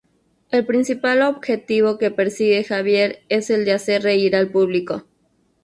El principal objetivo que persigue Javier es el de hacer reír al público.